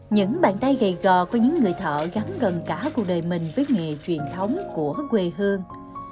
những bàn tay gầy gò của những người thợ gắn gần cả cuộc đời mình với nghề truyền thống của quê hương